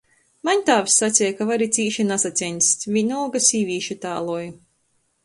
Maņ tāvs saceja, ka var i cīši nasaceņst, vīnolga sīvīši tāloj.